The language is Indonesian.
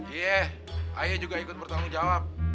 iya ayah juga ikut bertanggung jawab